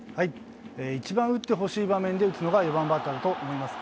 一番打ってほしい場面で打つのが４番バッターだと思います。